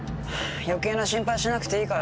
余計な心配しなくていいから。